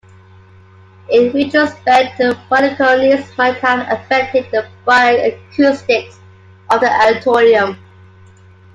In retrospect, two balconies might have affected the fine acoustics of the Auditorium.